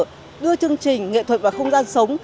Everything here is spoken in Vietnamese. cơ sở đưa chương trình nghệ thuật và không gian sống